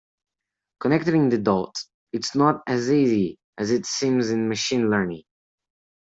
Connecting the dots, is not as easy as it seems in machine learning.